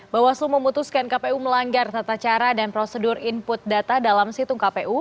bawaslu memutuskan kpu melanggar tata cara dan prosedur input data dalam situng kpu